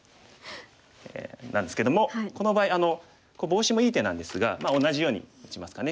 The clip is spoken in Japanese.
なんですけどもこの場合ボウシもいい手なんですが同じように打ちますかね。